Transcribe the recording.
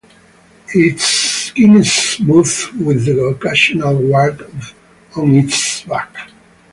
Its skin is smooth, with the occasional wart on its back.